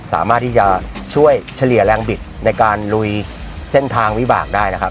สามารถที่จะช่วยเฉลี่ยแรงบิดในการลุยเส้นทางวิบากได้นะครับ